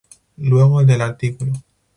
Luego, el del artículo.